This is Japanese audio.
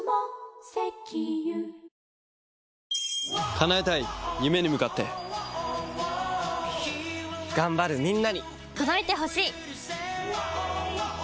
叶えたい夢に向かって頑張るみんなに届いてほしい！